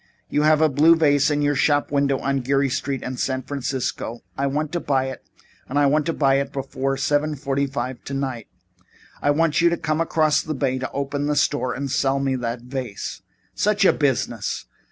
You have a blue vase in your shop window on Geary Street in San Francisco. I want to buy it and I want to buy it before seven forty five tonight. I want you to come across the bay and open the store and sell me that vase." "Such a business!